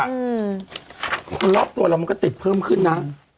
คนรอบตัวเรามันก็ติดเพิ่มขึ้นนะ